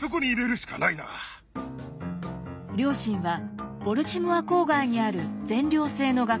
両親はボルチモア郊外にある全寮制の学校